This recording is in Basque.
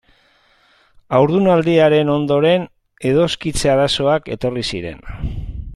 Haurdunaldiaren ondoren edoskitze arazoak etorri ziren.